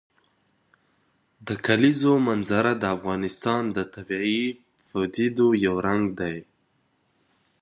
د کلیزو منظره د افغانستان د طبیعي پدیدو یو رنګ دی.